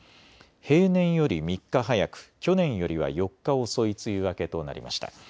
平年より３日早く、去年よりは４日遅い梅雨明けとなりました。